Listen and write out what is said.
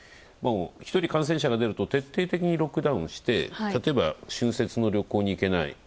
１人感染者が出ると徹底的にロックダウンして、例えば、春節の旅行に行けない。